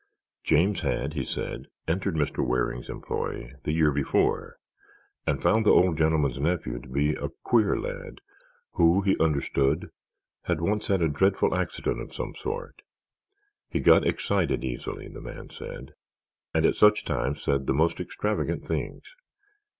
James had, he said, entered Mr. Waring's employ the year before and found the old gentleman's nephew to be a "queer lad" who, he understood, had once had a dreadful accident of some sort. He got excited easily, the man said, and at such times said the most extravagant things.